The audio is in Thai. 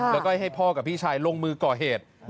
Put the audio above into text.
แล้วก็ให้พ่อกับพี่ชายลงมือก่อเหตุ